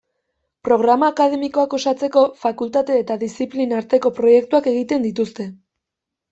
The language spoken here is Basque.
Programa akademikoak osatzeko, fakultate eta diziplina arteko proiektuak egiten dituzte.